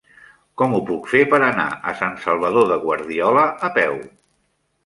Com ho puc fer per anar a Sant Salvador de Guardiola a peu?